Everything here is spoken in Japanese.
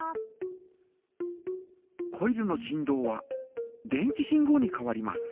コイルの振動は電気信号に変わります。